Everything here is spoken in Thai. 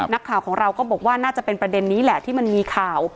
นักข่าวของเราก็บอกว่าน่าจะเป็นประเด็นนี้แหละที่มันมีข่าว